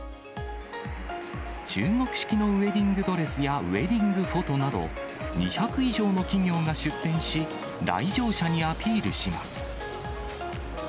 中国式のウエディングドレスやウエディングフォトなど、２００以上の企業が出展し、来場者にアピールします。